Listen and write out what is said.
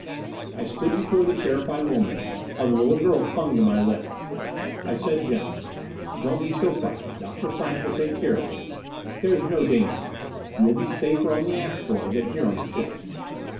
I stood before the terrified woman while the little girl clung to my legs. I said gently, "Don't be so frightened. Dr. Frank will take care of you. There is no danger you will be safer on the asteroid than here on the ship."